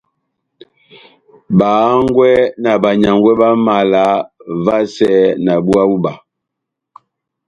Bá hángwɛ́ na banyángwɛ bá mala vasɛ na búwa hú iba